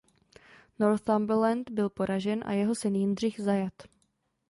Northumberland byl poražen a jeho syn Jindřich byl zajat.